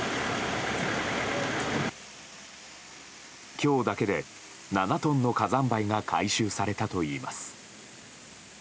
今日だけで７トンの火山灰が回収されたといいます。